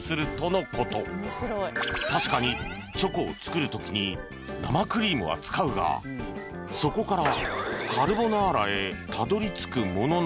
確かにチョコを作る時に生クリームは使うがそこからカルボナーラへたどり着くものなのか？